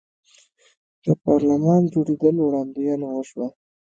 د پارلمان جوړیدل وړاندوینه وشوه.